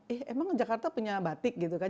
eh emang jakarta punya batik gitu kan